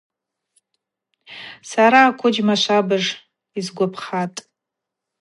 Сара аквыджьма швабыж йсгвапхатӏ.